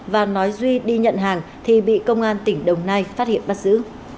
và nói duy đi nhận hàng thì bị công an tỉnh đồng nai phát hiện bắt giữ